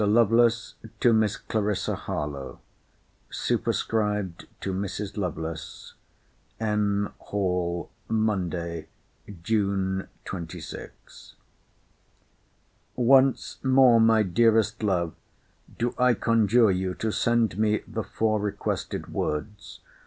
LOVELACE, TO MISS CLARISSA HARLOWE [SUPERSCRIBED TO MRS. LOVELACE.] M. HALL, MONDAY, JUNE 26. Once more, my dearest love, do I conjure you to send me the four requested words.